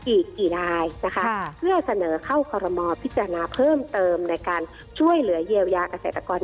อีกกี่นายนะคะเพื่อเสนอเข้าคอรมอลพิจารณาเพิ่มเติมในการช่วยเหลือเยียวยาเกษตรกร